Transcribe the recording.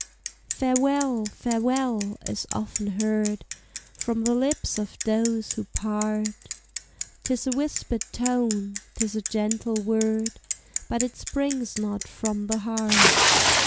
"Farewell! farewell!" is often heard From the lips of those who part: 'Tis a whispered tone, 'tis a gentle word, But it springs not from the heart.